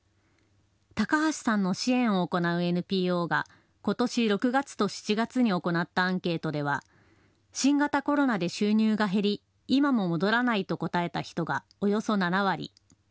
高橋さんの支援を行うＮＰＯがことし６月と７月に行ったアンケートでは新型コロナで収入が減り今も戻らないと答えた人がおよそ７割。